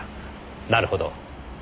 なるほど。